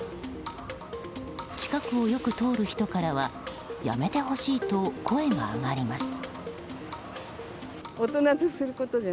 近くをよく通る人からはやめてほしいと声が上がります。